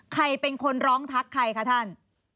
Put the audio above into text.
ใครเป็นคนร้องทักใครคะท่าน